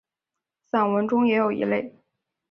散文中也有一类。